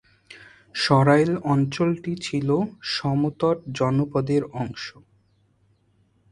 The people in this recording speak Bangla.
সরাইল অঞ্চলটি ছিলো সমতট জনপদের অংশ।